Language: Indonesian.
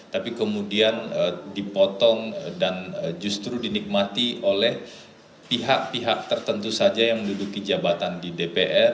tapi kemudian dipotong dan justru dinikmati oleh pihak pihak tertentu saja yang menduduki jabatan di dpr